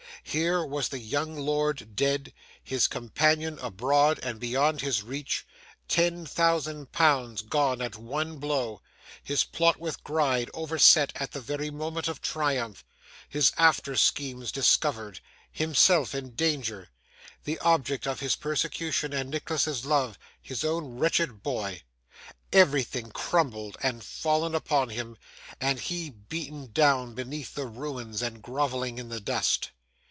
Here was the young lord dead, his companion abroad and beyond his reach, ten thousand pounds gone at one blow, his plot with Gride overset at the very moment of triumph, his after schemes discovered, himself in danger, the object of his persecution and Nicholas's love, his own wretched boy; everything crumbled and fallen upon him, and he beaten down beneath the ruins and grovelling in the dust.